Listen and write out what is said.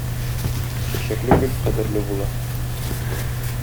Чәчәкле гөл кадерле була.